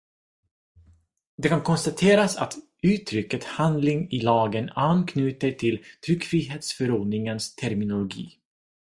Det kan konstateras att uttrycket handling i lagen anknyter till Tryckfrihetsförordningens terminologi.